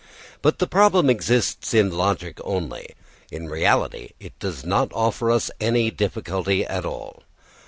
But the problem exists in logic only; in reality it does not offer us any difficulty at all.